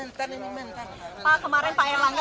bukalkar minta lima kursi pak